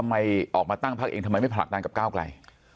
ทำไมออกมาตั้งพักเองทำไมไม่ผลักดันกับก้าวไกล